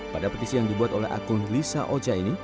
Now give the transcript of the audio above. pada petisi yang dibuat oleh akun lisa oja ini